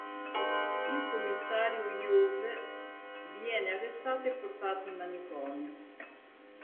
Il commissario Juve viene arrestato e portato in manicomio.